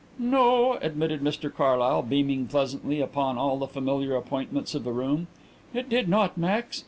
"No," admitted Mr Carlyle, beaming pleasantly upon all the familiar appointments of the room, "it did not, Max.